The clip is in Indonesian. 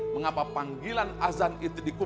mengapa panggilan azal kita adalah emosi yang penting